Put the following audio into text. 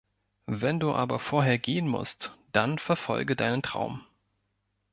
Wenn du aber vorher gehen musst, dann verfolge deinen Traum.